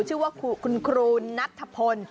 คือว่าคุณครูนัททะพล